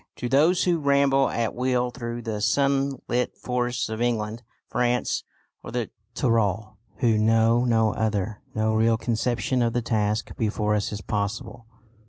To those who ramble at will through the sunlit forests of England, France, or the Tyrol, who know no other, no real conception of the task before us is possible.